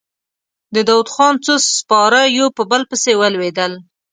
د داوودخان څو سپاره يو په بل پسې ولوېدل.